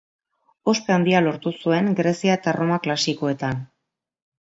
Ospe handia lortu zuen Grezia eta Erroma klasikoetan.